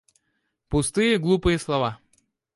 Пустые, глупые слова!